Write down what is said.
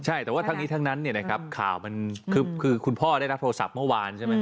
ใช่แต่ว่าทั้งนี้ทั้งนั้นข่าวมันคือคุณพ่อได้รับโทรศัพท์เมื่อวานใช่ไหม